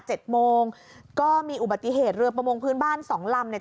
โมงก็มีอุบัติเหตุเรือประมงพื้นบ้านสองลำเนี่ย